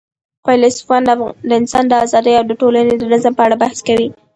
فیلسوفان د انسان د آزادۍ او د ټولني د نظم په اړه بحث کوي.